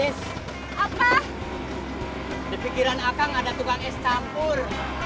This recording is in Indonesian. is is apa kepikiran akan ada tukang es campur